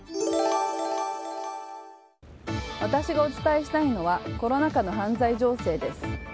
私がお伝えしたいのはコロナ禍の犯罪情勢です。